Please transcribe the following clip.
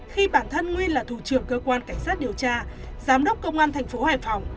khi bản thân nguyên là thủ trưởng cơ quan cảnh sát điều tra giám đốc công an thành phố hải phòng